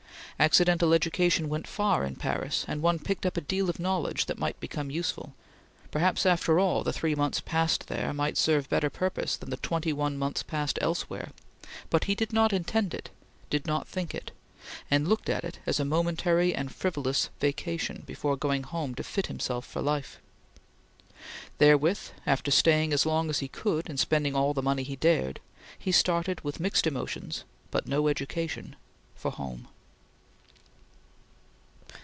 Accidental education went far in Paris, and one picked up a deal of knowledge that might become useful; perhaps, after all, the three months passed there might serve better purpose than the twenty one months passed elsewhere; but he did not intend it did not think it and looked at it as a momentary and frivolous vacation before going home to fit himself for life. Therewith, after staying as long as he could and spending all the money he dared, he started with mixed emotions but no education, for home.